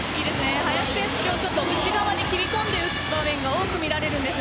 林選手、今日は内側に切り込んで打つ場面が多く見られるんです。